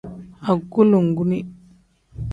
Agulonguni.